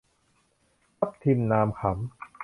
ทับทิม นามขำ